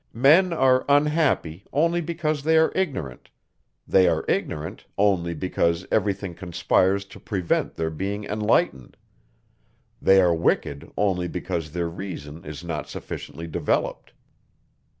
Men are unhappy, only because they are ignorant; they are ignorant, only because every thing conspires to prevent their being enlightened; they are wicked only because their reason is not sufficiently developed.